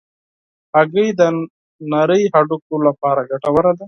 هګۍ د نرۍ هډوکو لپاره ګټوره ده.